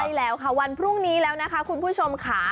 ใช่แล้วค่ะวันพรุ่งนี้แล้วนะคะคุณผู้ชมค่ะ